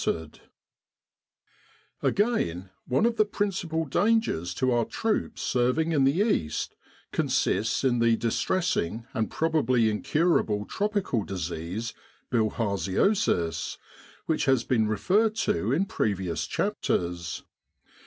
228 The Medical Advisory Committee Again, one of the principal dangers to our troops serving in the East consists in the distressing and probably incurable tropical disease, bilharz iosis, which has been referred to in previous chapters.